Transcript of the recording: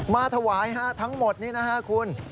มาถวายทั้งหมดนี้นะฮะคุณ